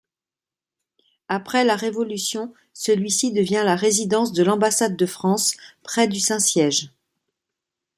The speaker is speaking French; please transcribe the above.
Après la révolution, celui-ci devient la résidence de l'ambassade de France, près du Saint-Siège.